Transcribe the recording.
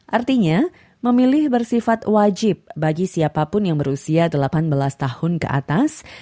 artinya memilih bersifat wajib bagi siapapun yang berusia delapan belas tahun ke atas